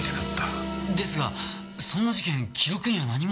ですがそんな事件記録には何も。